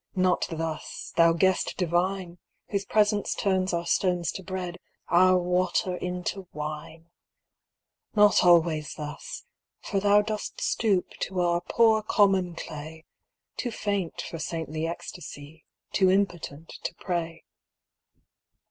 Not thus, thou Guest Divine, Whose presence turns our stones to bread, Our water into wine ! Not always thus — for thou dost stoop To our poor, common clay, Too faint for saintly ecstasy, Too impotent to pray.